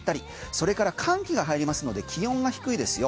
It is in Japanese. それから寒気が入りますので気温が低いですよ。